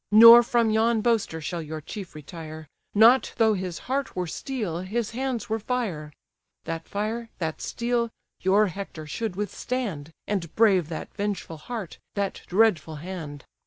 Nor from yon boaster shall your chief retire, Not though his heart were steel, his hands were fire; That fire, that steel, your Hector should withstand, And brave that vengeful heart, that dreadful hand."